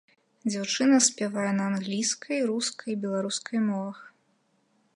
Дзяўчына спявае на англійскай, рускай і беларускай мовах.